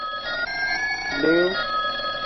改为以完成任务与展开游戏剧情来负责。